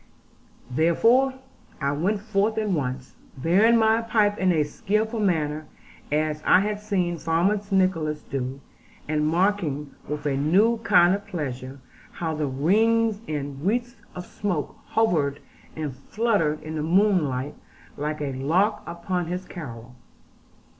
Therefore, I went forth at once, bearing my pipe in a skilful manner, as I had seen Farmer Nicholas do; and marking, with a new kind of pleasure, how the rings and wreaths of smoke hovered and fluttered in the moonlight, like a lark upon his carol.